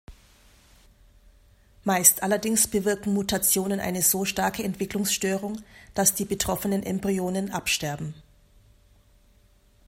Meist allerdings bewirken Mutationen eine so starke Entwicklungsstörung, dass die betroffenen Embryonen absterben.